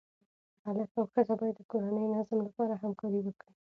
هلک او ښځه باید د کورني نظم لپاره همکاري وکړي.